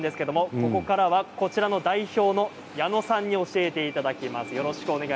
ここからはこちらの代表の矢野さんに教えていただきます。